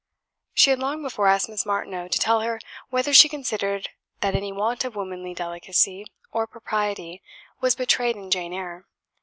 She had long before asked Miss Martineau to tell her whether she considered that any want of womanly delicacy or propriety was betrayed in "Jane Eyre".